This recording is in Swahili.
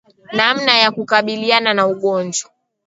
Namna ya kukabiliana na ugonjwa